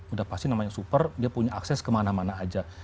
udah pasti namanya super dia punya akses kemana mana aja